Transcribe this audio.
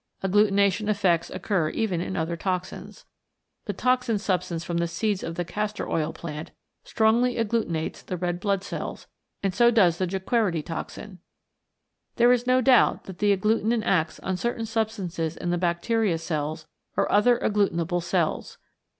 Agglutination effects occur even in other toxins. The toxin substance from the seeds of the castor oil plant strongly agglutinates the red blood cells, and so does the Jequirity toxin. There is no doubt that the agglutinin acts on certain sub stances in the bacteria cells or other agglutinable cells.